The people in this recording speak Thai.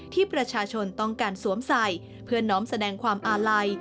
ที่ประชาชนต้องการสวมใส่เพื่อน้อมแสดงความอาลัย